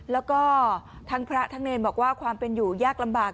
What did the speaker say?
แล้วก็ทั้งพระทั้งเนรบอกว่าความเป็นอยู่ยากลำบาก